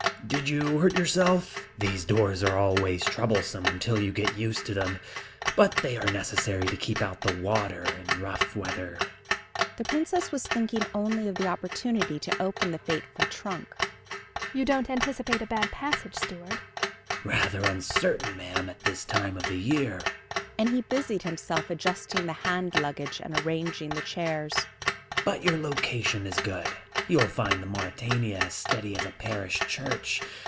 "Did you hurt yourself? These doors are always troublesome until you get used to them. But they are necessary to keep out the water in rough weather." The Princess was thinking only of the opportunity to open the fateful trunk. "You don't anticipate a bad passage, steward?" "Rather uncertain, ma'am, at this time of the year," and he busied himself adjusting the hand luggage and arranging the chairs. "But your location is good. You'll find the Mauretania as steady as a parish church.